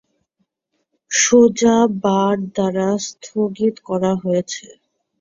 সোজা বার দ্বারা স্থগিত করা হয়েছে।